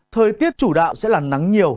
thời tiết chủ đạo sẽ là nắng nhiều